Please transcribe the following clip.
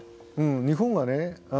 日本はね